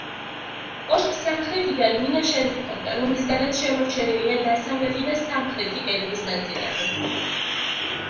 კოშკს სამხრეთიდან მინაშენი ჰქონდა, რომლისგანაც შემორჩენილია დასავლეთი და სამხრეთი კედლის ნაწილები.